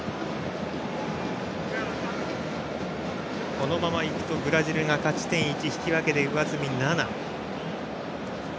このままいくとブラジルが勝ち点１の引き分けで、上積み７。